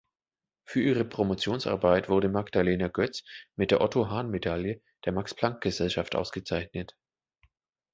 Für ihre Promotionsarbeit wurde Magdalena Götz mit der Otto-Hahn-Medaille der Max-Planck-Gesellschaft ausgezeichnet.